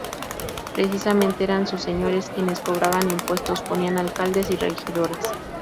Precisamente eran sus señores quienes cobraban impuestos, ponían alcaldes y regidores.